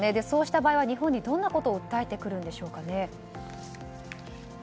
そうした場合は日本に、どんなことを訴えてくるんでしょうかね。